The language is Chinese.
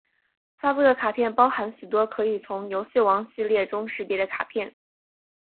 发布的卡片包含许多可以从游戏王系列中识别的卡片！